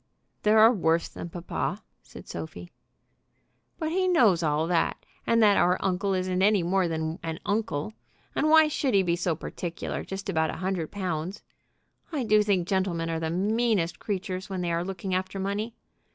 "There are worse than papa," said Sophie. "But he knows all that, and that our uncle isn't any more than an uncle. And why should he be so particular just about a hundred pounds? I do think gentlemen are the meanest creatures when they are looking after money!